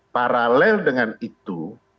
paralel dengan itu